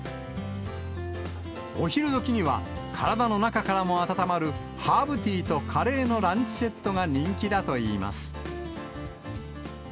お昼どきには、体の中からも温まるハーブティーとカレーのランチセットが人気だといいます。